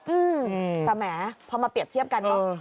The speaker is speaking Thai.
อืมแต่แหมพอมาเปรียบเทียบกันก็